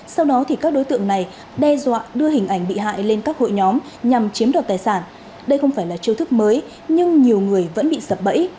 sau đó thì các đối tượng này đe dọa đưa hình ảnh bị hại lên các hội nhóm nhằm chiếm đoạt tài sản đây không phải là chiêu thức mới nhưng nhiều người vẫn bị sập bẫy